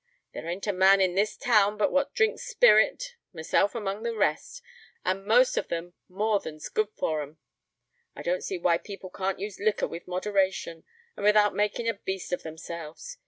There ain't a man in this town but what drinks spirit, myself among the rest, and most of them more than's good for 'em. I don't see why people can't use liquor with moderation, and without making a beast of themselves.